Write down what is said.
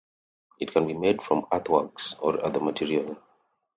It can be made from earthworks or other material.